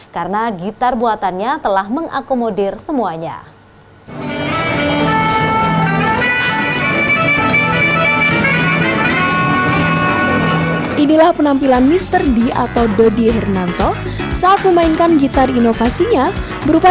karena gitar buatannya telah mengakomodir semuanya